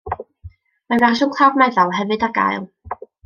Mae fersiwn clawr meddal hefyd ar gael.